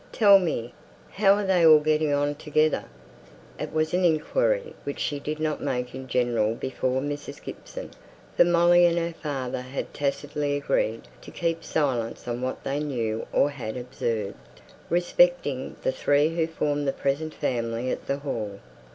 "Tell me, how are they all getting on together?" It was an inquiry which she did not make in general before Mrs. Gibson, for Molly and her father had tacitly agreed to keep silence on what they knew or had observed, respecting the three who formed the present family at the Hall.